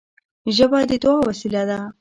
ژبه د دعا وسیله ده